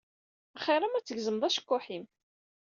Axiṛ-am ad tgezmeḍ acekkuḥ-im.